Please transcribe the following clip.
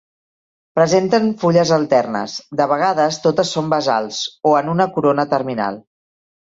Presenten fulles alternes, de vegades totes són basals, o en una corona terminal.